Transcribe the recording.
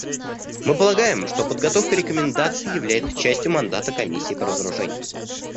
Мы полагаем, что подготовка рекомендаций является частью мандата Комиссии по разоружению.